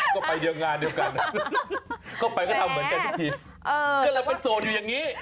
ก็ไปเดียวงานเดียวกันก็ไปก็ทำเหมือนกันทุกทีก็เลยเป็นโสดอยู่อย่างนี้